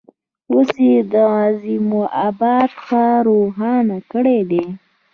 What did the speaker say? اوس یې د عظیم آباد ښار روښانه کړی دی.